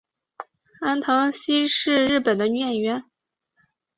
安藤希是日本的女演员。